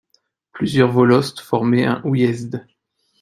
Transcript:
Plusieurs volosts formaient un ouiezd.